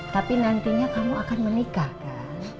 tapi nantinya kamu akan menikah kan